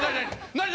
何？